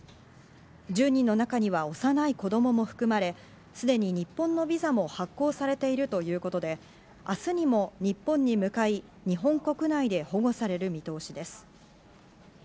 １０人の中には幼い子供も含まれ、すでに日本のビザも発行されているということで明日にも日本に向かい日本国内で保護される見通しです。